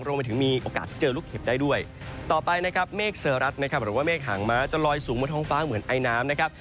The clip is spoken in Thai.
รวมไปถึงมีโอกาสเจอลูกเห็บได้ด้วยต่อไปนะครับเมฆเซอรัสนะครับหรือว่าเมฆหางม้าจะลอยสูงบนท้องฟ้าเหมือนไอน้ำนะครับ